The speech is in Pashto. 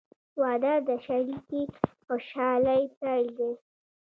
• واده د شریکې خوشحالۍ پیل دی.